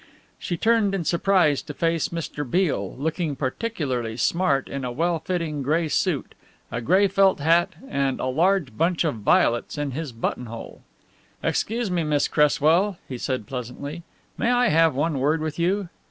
She turned in surprise to face Mr. Beale, looking particularly smart in a well fitting grey suit, a grey felt hat and a large bunch of violets in his buttonhole. "Excuse me, Miss Cresswell," he said pleasantly, "may I have one word with you?"